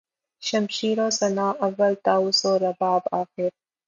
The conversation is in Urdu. شمشیر و سناں اول طاؤس و رباب آخر